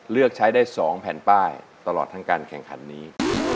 เลือกใช้ได้๒แผ่นป้ายตลอดทั้งการแข่งขันนี้